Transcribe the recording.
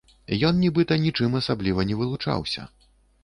Ён нібыта нічым асабліва не вылучаўся.